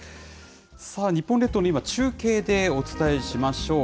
日本列島の今、中継でお伝えしましょう。